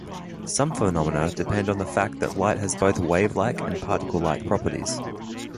Some phenomena depend on the fact that light has both wave-like and particle-like properties.